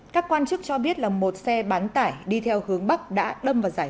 các quan chức cho biết là một xe bán tải đi theo hướng bắc đã đâm vào giải